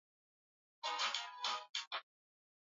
Wakazi wa Zanzibar hutajwa Kama watu wasipenda mambo magumu